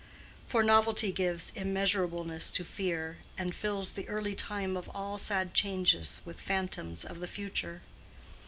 For novelty gives immeasurableness to fear, and fills the early time of all sad changes with phantoms of the future.